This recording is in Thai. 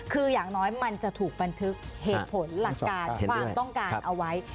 คืออย่างน้อยมันจะถูกบันทึกเหตุผลหลักการความต้องการเอาไว้